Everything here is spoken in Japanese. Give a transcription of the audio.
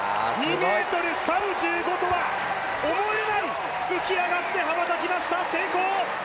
２ｍ３５とは思えない、浮き上がって羽ばたきました、成功！